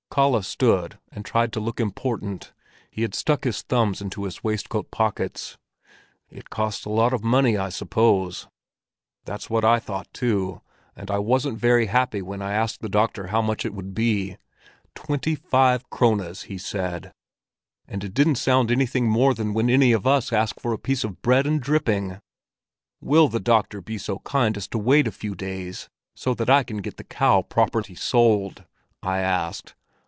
Kalle stood and tried to look important; he had stuck his thumbs into his waistcoat pockets. "It cost a lot of money, I suppose?" "That's what I thought, too, and I wasn't very happy when I asked the doctor how much it would be. Twenty five krones, he said, and it didn't sound anything more than when any of us ask for a piece of bread and dripping. 'Will the doctor be so kind as to wait a few days so that I can get the cow properly sold?' I asked.